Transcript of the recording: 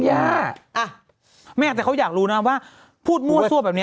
ย่าอ่ะแม่แต่เขาอยากรู้นะว่าพูดมั่วซั่วแบบนี้